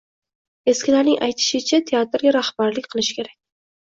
Eskilarning aytishicha, teatrga rahbarlik qilish kerak.